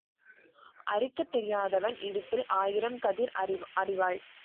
அறுக்கத் தெரியாதவன் இடுப்பில் ஆயிரம் கதிர் அரிவாள்